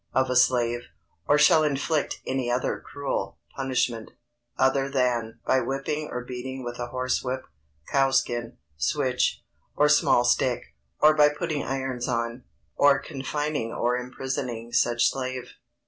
of a slave, "or shall inflict any other cruel punishment, other than by whipping or beating with a horse whip, cowskin, switch, or small stick, or by putting irons on, or confining or imprisoning such slave."